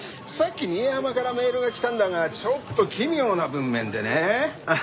さっき仁江浜からメールが来たんだがちょっと奇妙な文面でね。